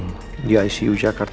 gue atau ni enak